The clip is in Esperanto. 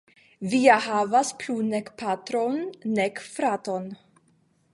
Vi ja havas plu nek patron, nek fraton!